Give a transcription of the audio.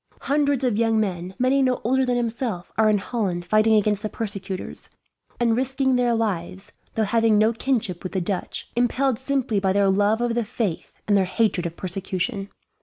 Hundreds of young men, many no older than himself, are in Holland fighting against the persecutors; and risking their lives, though having no kinship with the Dutch, impelled simply by their love of the faith and their hatred of persecution.